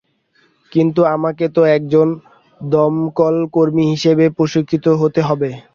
কিন্তু আমাকে তো একজন দমকলকর্মী হিসেবে প্রশিক্ষিত হতে হবে।